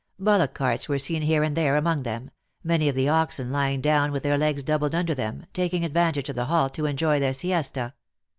Bullock carts were seen here and there, among them, many of the oxen lying down with their legs doubled under them, taking advantage of the halt to enjoy their siesta.